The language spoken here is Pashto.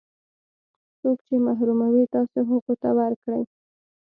څوک چې محروموي تاسې هغو ته ورکړئ.